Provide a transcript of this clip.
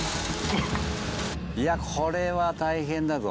いやこれは大変だぞ。